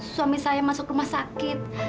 suami saya masuk rumah sakit